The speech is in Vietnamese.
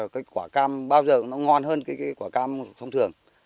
cái quả cam bao giờ nó ngon hơn cái quả cam thông thường